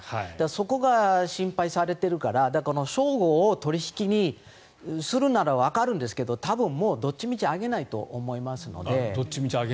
そこが心配されているから称号を取引にするならわかるんですけど多分もうどっちみちあげないと思いますので。